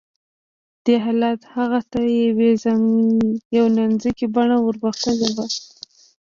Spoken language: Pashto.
دې حالت هغې ته د يوې نانځکې بڼه وربښلې وه